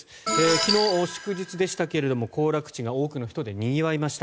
昨日、祝日でしたが行楽地が多くの人でにぎわいました。